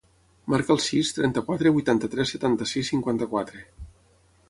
Marca el sis, trenta-quatre, vuitanta-tres, setanta-sis, cinquanta-quatre.